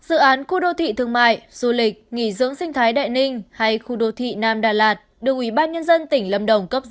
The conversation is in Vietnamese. dự án khu đô thị thương mại du lịch nghỉ dưỡng sinh thái đại ninh hay khu đô thị nam đà lạt được ủy ban nhân dân tỉnh lâm đồng cấp giao